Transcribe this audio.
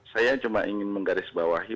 saya cuma ingin menggaris bawahi